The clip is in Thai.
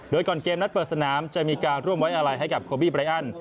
โดยก่อนเกมนัดเปิดสนามจะมีการร่วมไว้อะไรให้กับโคบี้ไรอัน